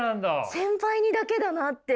先輩にだけだなって。